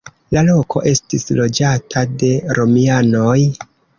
La loko estis loĝata de romianoj.